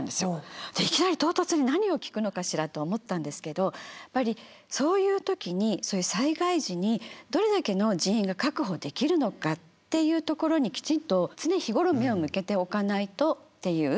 「いきなり唐突に何を聞くのかしら」と思ったんですけどやっぱりそういう時にそういう災害時にどれだけの人員が確保できるのかっていうところにきちんと常日頃目を向けておかないとっていう。